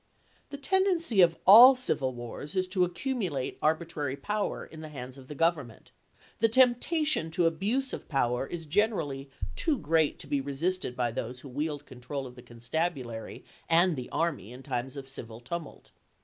The tendency of all civil p/43.' wars is to accumulate arbitrary power in the hands of the Government ; the temptation to abuse of power • is generally too great to be resisted by those who wield control of the constabulary and the army in times of civil tumult.